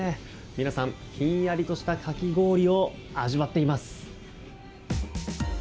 皆さん、ひんやりとしたかき氷を味わっています。